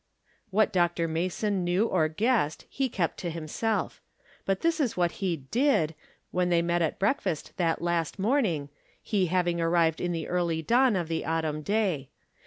What Dr. Mason knew or guessed he kept to himself. But tliis is what he did, when they met at breakfast that last morning, he having arrived in the early dawn of the autumn day.